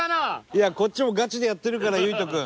いやこっちもガチでやってるから優惟人君。